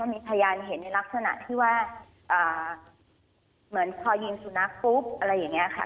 มีพยานเห็นในลักษณะที่ว่าเหมือนพอยิงสุนัขปุ๊บอะไรอย่างนี้ค่ะ